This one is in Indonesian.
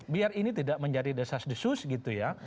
biar ini tidak menjadi the sus gitu ya